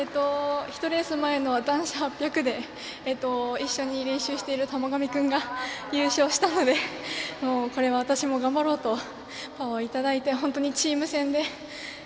前の男子８００で一緒に練習している田母神君が優勝したのでこれは私も頑張ろうとパワーをいただいて本当にチーム戦で。